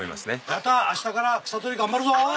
また明日から草取り頑張るぞ！